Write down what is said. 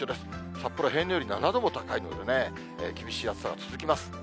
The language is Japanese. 札幌、平年より７度も高いのでね、厳しい暑さが続きます。